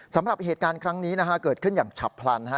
สำหรับเหตุการณ์ครั้งนี้นะฮะเกิดขึ้นอย่างฉับพลัน